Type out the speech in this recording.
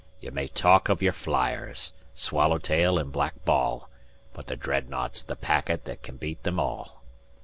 You may talk o' your fliers Swallowtail and Black Ball But the Dreadnought's the packet that can beat them all.